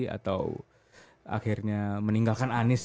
atau akhirnya meninggalkan anis